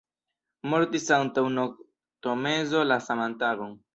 Mortis antaŭ noktomezo la saman tagon.